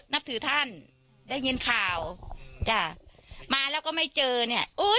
นับถือท่านได้ยินข่าวจ้ะมาแล้วก็ไม่เจอเนี่ยโอ้ย